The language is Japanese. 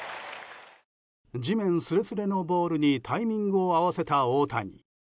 地面すれすれのボールにタイミングを合わせた大谷。